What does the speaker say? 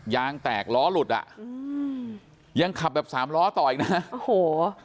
ยางแตกล้อหลุดอ่ะอืมยังขับแบบสามล้อต่ออีกนะโอ้โห